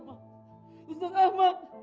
makasih ustadz ahmad